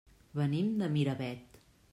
Venim de Miravet.